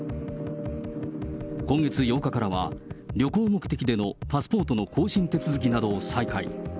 今月８日からは、旅行目的でのパスポートの更新手続きなどを再開。